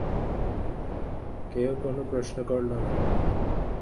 কেউ কোনো প্রশ্ন করল না।